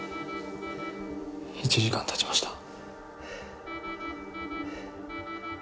１時間たちました。